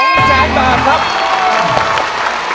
๒๐๐๐๐๐บาทครับ